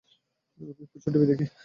আমি প্রচুর টিভি দেখি।